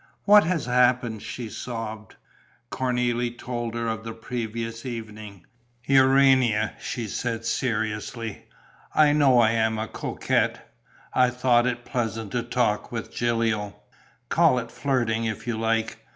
"What has happened?" she sobbed. Cornélie told her of the previous evening: "Urania," she said, seriously, "I know I am a coquette. I thought it pleasant to talk with Gilio; call it flirting, if you like.